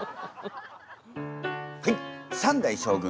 はい三代将軍